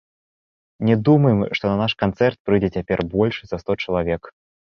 Не думаем, што на наш канцэрт прыйдзе цяпер больш за сто чалавек.